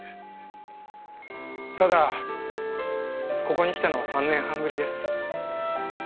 ただここに来たのは３年半ぶりです。